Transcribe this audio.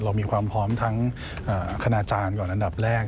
เรามีความพร้อมทั้งคณาจารย์ก่อนอันดับแรก